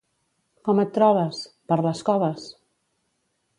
—Com et trobes? —Per les coves!